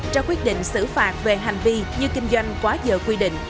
cho quyết định xử phạt về hành vi như kinh doanh quá giờ quy định